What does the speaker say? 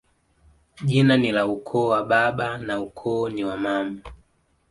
Jina ni la ukoo wa baba na ukoo ni wa mama